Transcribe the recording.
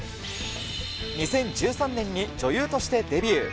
２０１３年に女優としてデビュー。